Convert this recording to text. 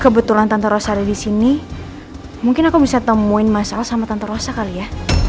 kebetulan tante rosa ada di sini mungkin aku bisa temuin masalah sama tante rosa kali ya